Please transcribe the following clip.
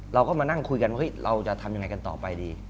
เราก็มานั่งคุยกันว่าเราจะทำยังไงกันต่อไปดี